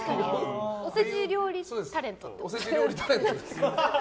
おせち料理タレントです。